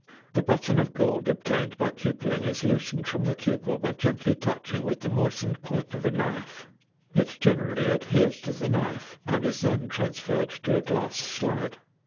The button of gold obtained by cupelling is loosened from the cupel by gently touching with the moistened point of a knife; it generally adheres to the knife, and is then transferred to a glass slide.